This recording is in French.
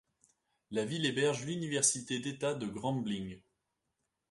La ville héberge l'université d'État de Grambling.